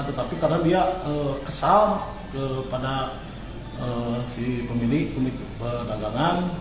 tetapi karena dia kesal kepada si pemilik pemilik pedagangan